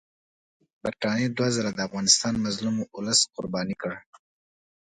برټانیې دوه ځله د افغانستان مظلوم اولس قرباني کړ.